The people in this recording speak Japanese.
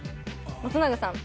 松永さん。